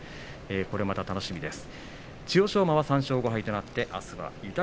これまた楽しみです。